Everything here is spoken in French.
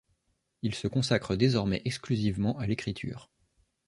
Il se consacre désormais exclusivement à l’écriture.